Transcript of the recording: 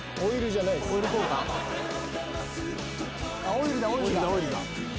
オイルだオイルだ。